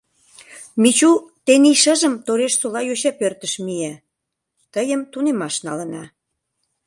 Мичу, тений шыжым Торешсола йоча пӧртыш мие; тыйым тунемаш налына.